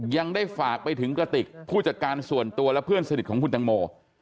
ยังได้ฝากไปถึงกระติกผู้จัดการส่วนตัวและเพื่อนสนิทของคุณตังโม